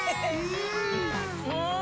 うん！